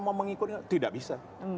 mau mengikutnya tidak bisa